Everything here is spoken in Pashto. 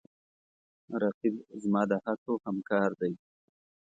رقیب زما د هڅو همکار دی